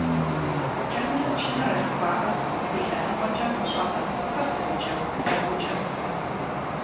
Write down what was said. КӀэнрэ чынрэ жыхуаӏэр ди лъэныкъуэкӏэ щӀалэ цӀыкӀухэр зэрыджэгу джэгукӀэт.